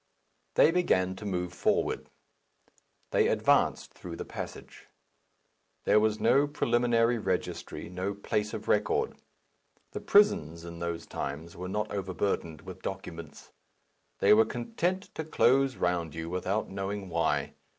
They began to move forward. They advanced through the passage. There was no preliminary registry, no place of record. The prisons in those times were not overburdened with documents. They were content to close round you without knowing why.